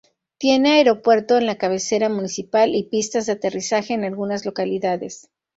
Tiene aeropuerto en la cabecera municipal y pistas de aterrizaje en algunas localidades.